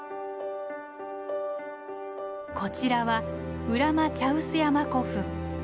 こちらは浦間茶臼山古墳。